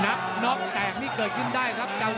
น็อกแตกนี่เกิดขึ้นได้ครับ